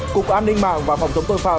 cục an ninh mạng và phòng chống tội phạm